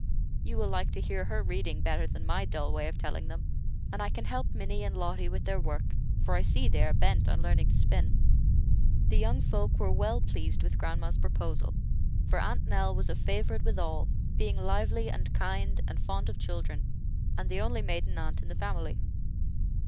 You will like to hear her reading better than my dull way of telling them, and I can help Minnie and Lotty with their work, for I see they are bent on learning to spin." The young folk were well pleased with grandma's proposal; for Aunt Nell was a favorite with all, being lively and kind and fond of children, and the only maiden aunt in the family.